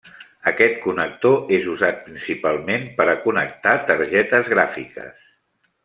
Aquest connector és usat principalment per a connectar targetes gràfiques.